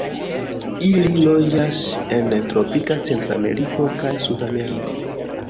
Ili loĝas en tropika Centrameriko kaj Sudameriko.